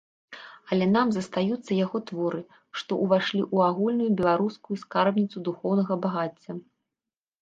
Але нам застаюцца яго творы, што ўвайшлі ў агульную беларускую скарбніцу духоўнага багацця.